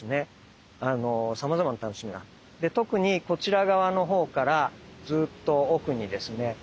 特にこちら側のほうからずっと奥にですね